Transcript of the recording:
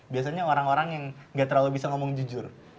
biasanya orang orang yang gak terlalu bisa ngomong jujur